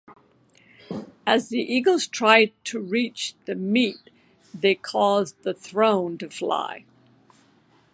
As the eagles tried to reach the meat they caused the throne to fly.